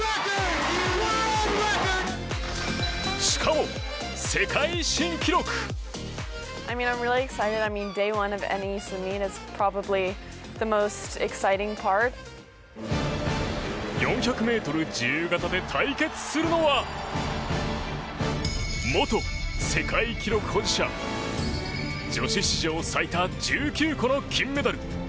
しかも、世界新記録！４００ｍ自由形で対決するのは元世界記録保持者女子史上最多１９個の金メダル。